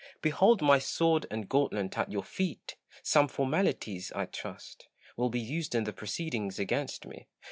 Behold my sword and gauntlet at your feet ! Some formalities, I trust, will be used in the proceedings against me.